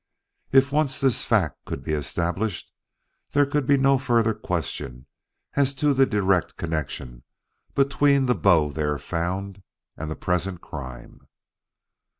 If once this fact could be established, there could be no further question as to the direct connection between the bow there found and the present crime.